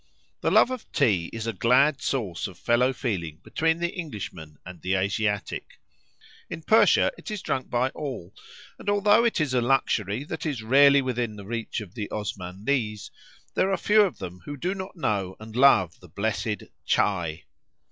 The love of tea is a glad source of fellow feeling between the Englishman and the Asiatic. In Persia it is drunk by all, and although it is a luxury that is rarely within the reach of the Osmanlees, there are few of them who do not know and love the blessed tchäi.